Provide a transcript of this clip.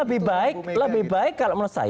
lebih baik kalau menurut saya